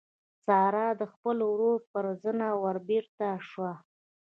سارا د خپل ورور پر زنه وربېرته شوه.